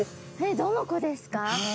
どの子ですか？